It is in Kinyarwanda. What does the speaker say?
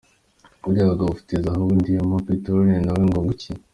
Bariya bagabo bafite zahabu; diamant :peterole none nawe ngo iki !.